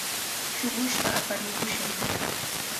Shuqushta aparikushaq.